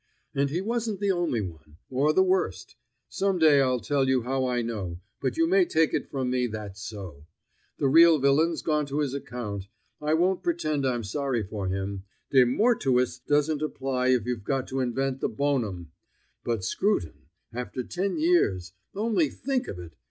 And he wasn't the only one, or the worst; some day I'll tell you how I know, but you may take it from me that's so. The real villain's gone to his account. I won't pretend I'm sorry for him. De mortuis doesn't apply if you've got to invent the bonum! But Scruton after ten years only think of it!